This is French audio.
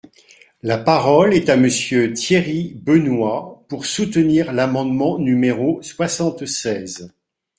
La parole est à Monsieur Thierry Benoit, pour soutenir l’amendement numéro soixante-seize.